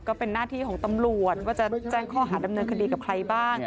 ก็เป็นหน้าที่ของตำรวจว่าจะแจ้งข้อหาดำเนินคดีกับใครบ้าง